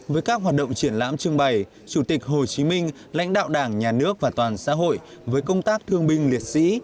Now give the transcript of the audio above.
với các hoạt động triển lãm trưng bày chủ tịch hồ chí minh lãnh đạo đảng nhà nước và toàn xã hội với công tác thương binh liệt sĩ